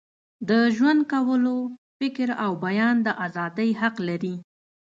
د ژوند کولو، فکر او بیان د ازادۍ حق لري.